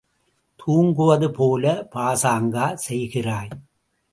தூங்குவது போல பாசாங்கா செய்கிறாய்!